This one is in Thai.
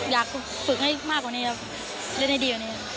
อยากฝึกให้มากว่านี้ครับเล่นให้ดี